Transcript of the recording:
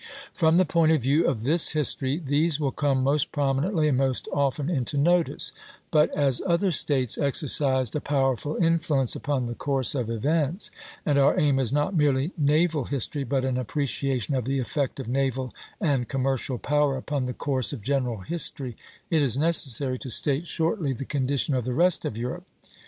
From the point of view of this history, these will come most prominently and most often into notice; but as other States exercised a powerful influence upon the course of events, and our aim is not merely naval history but an appreciation of the effect of naval and commercial power upon the course of general history, it is necessary to state shortly the condition of the rest of Europe.